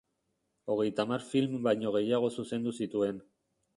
Hogeita hamar film baino gehiago zuzendu zituen.